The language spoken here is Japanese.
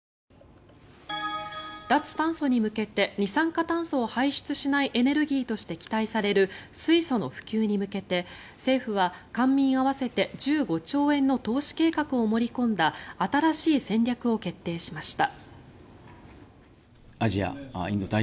脱炭素に向けて二酸化炭素を排出しないエネルギーとして期待される水素の普及に向けて政府は、官民合わせて１５兆円の投資計画を盛り込んだ新しい戦略を決定しました。